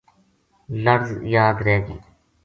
لڑز یاد رہ گی